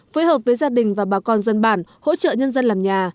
phối hợp với gia đình và bà con dân bản hỗ trợ nhân dân làm nhà